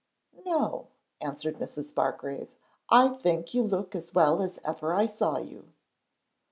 'No,' answered Mrs. Bargrave, 'I think you look as well as ever I saw you.'